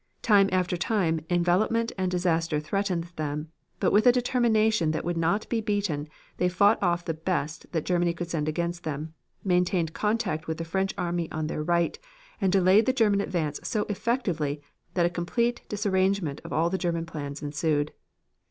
Time after time envelopment and disaster threatened them, but with a determination that would not be beaten they fought off the best that Germany could send against them, maintained contact with the French army on their right, and delayed the German advance so effectively that a complete disarrangement of all the German plans ensued.